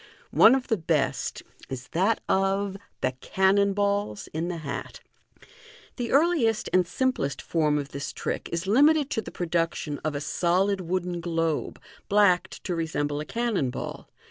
One of the best is that of Thb Cannon balls in the Hat. — The earliest and simplest form of this trick is limited to the production of a solid wooden globe, blacked to resemble a cannon ball.